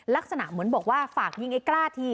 ลักษณะเหมือนบอกว่าฝากยิงไอ้กล้าที